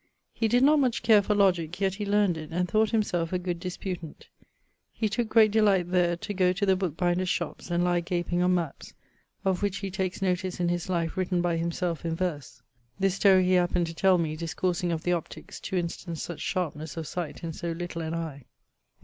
He did not much care for logick, yet he learnd it, and thought himselfe a good disputant. He tooke great delight there to goe to the booke binders' shops, and lye gaping on mappes, of which he takes notice in his life written by himselfe in verse: [XCIX.] This story he happened to tell me, discoursing of the Optiques, to instance such sharpnes of sight in so little an eie.